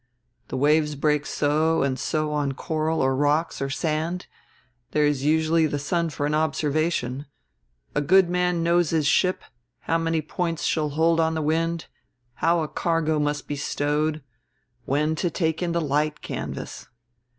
The waves break so and so on coral or rocks or sand; there is usually the sun for an observation; a good man knows his ship, how many points she'll hold on the wind, how a cargo must be stowed, when to take in the light canvas.